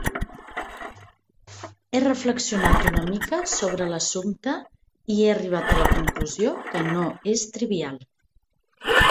He reflexionat una mica sobre l'assumpte i he arribat a la conclusió que no és trivial.